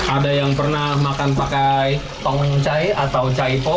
ada yang pernah makan pakai tongcai atau caipo